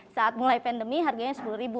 saat mulai pandemi harganya rp sepuluh